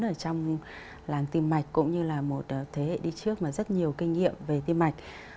ở trong làng tim mạch cũng như là một thế hệ đi trước mà rất nhiều kinh nghiệm về tim mạch